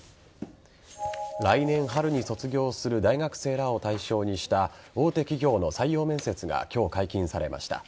来年春に卒業する大学生らを対象にした大手企業の採用面接が今日解禁されました。